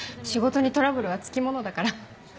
仕事にトラブルはつきものだから。